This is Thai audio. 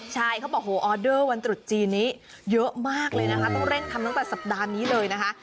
ใช่เขาบอกโหออเดอร์วันตรุษจีนนี้เยอะมากเลยนะคะต้องเร่งทำตั้งแต่สัปดาห์นี้เลยนะคะ